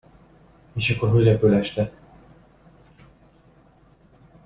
És akkor hogy repül este?